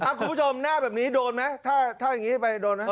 คุณผู้ชมหน้าแบบนี้โดนไหมถ้าอย่างนี้ไปโดนไหม